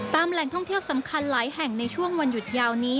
แหล่งท่องเที่ยวสำคัญหลายแห่งในช่วงวันหยุดยาวนี้